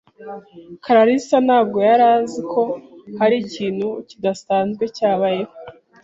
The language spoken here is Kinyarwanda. karasira ntabwo yari azi ko hari ikintu kidasanzwe cyabayeho.